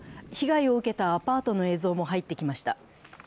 被害を受けたアパートの映像も入ってきました。